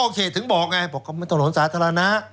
โอเคถึงบอกไงบอกว่าเป็นถนนสาธารณะ